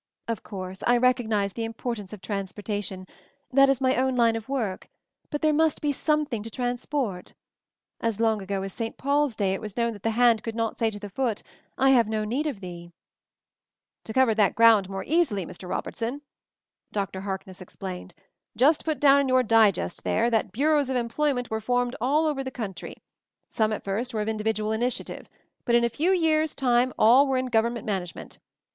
Of course, I recognize the importance MOVING THE MOUNTAIN 143 of transportation; that is my own line of work, but there must be something to trans port. As long ago as St. Paul's day it was known that the hand could not say to the foot, 'I have no need of thee/ " "To cover that ground more easily, Mr. Robertson," Dr. Harkness explained, "just put down in your digest there that Bureaus of Employment were formed all over the country ; some at first were of individual in itiative, but in a few years' time all were in government management.